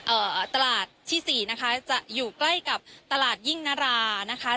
ตลาดที่สี่นะคะจะอยู่ใกล้กับตลาดยิ่งนารานะคะ